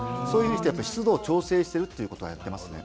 湿度を調整しているということをやっています。